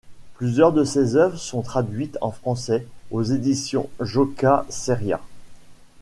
Plusieurs de ses œuvres sont traduites en français aux éditions Joca Seria.